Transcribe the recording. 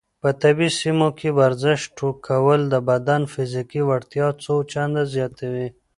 په طبیعي سیمو کې ورزش کول د بدن فزیکي وړتیاوې څو چنده زیاتوي.